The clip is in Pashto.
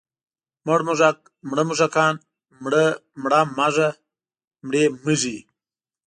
مړ موږک، مړه موږکان، مړه مږه، مړې مږې.